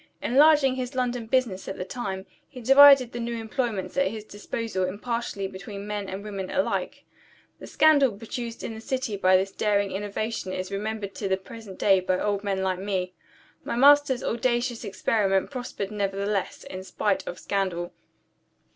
Enlarging his London business at the time, he divided the new employments at his disposal impartially between men and women alike. The scandal produced in the city by this daring innovation is remembered to the present day by old men like me. My master's audacious experiment prospered nevertheless, in spite of scandal.